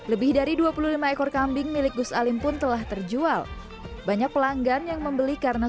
lebih dari dua puluh lima ekor kambing milik gus alim pun telah terjual banyak pelanggan yang membeli karena